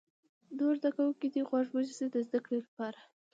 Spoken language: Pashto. نور زده کوونکي دې غوږ ونیسي د زده کړې لپاره.